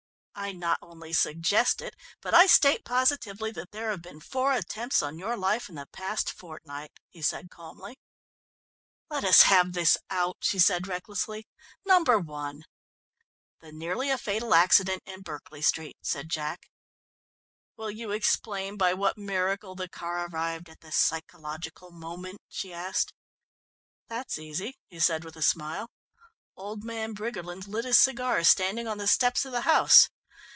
"I not only suggest it, but I state positively that there have been four attempts on your life in the past fortnight," he said calmly. "Let us have this out," she said recklessly. "Number one?" "The nearly a fatal accident in Berkeley Street," said Jack. "Will you explain by what miracle the car arrived at the psychological moment?" she asked. "That's easy," he said with a smile. "Old man Briggerland lit his cigar standing on the steps of the house.